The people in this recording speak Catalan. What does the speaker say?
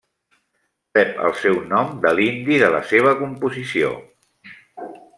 Rep el seu nom de l'indi de la seva composició.